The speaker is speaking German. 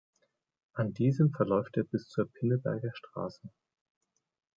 An diesem verläuft er bis zur Pinneberger Straße.